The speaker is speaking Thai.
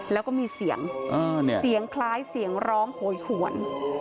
แล้วก็มีเสียงเสียงคล้ายเสียงร้องโหยหวน